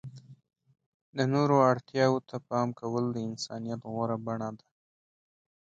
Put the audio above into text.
د نورو اړتیاوو ته پام کول د انسانیت غوره بڼه ده.